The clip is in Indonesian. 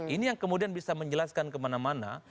ini yang kemudian bisa menjelaskan kemana mana